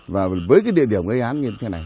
và với cái địa điểm gây án như thế này